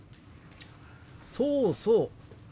そうそう。